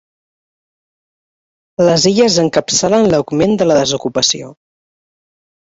Les Illes encapçalen l’augment de la desocupació.